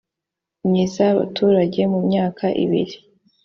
myiza y abaturage mu myaka ibiri